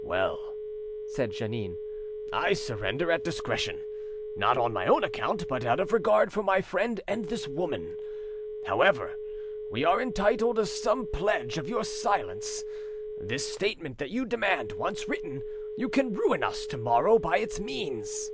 "Well," said Jeannin, "I surrender at discretion—not on my own account, but out of regard for my friend and this woman. However, we are entitle to some pledge of your silence. This statement that you demand, once written,—you can ruin us tomorrow by its means."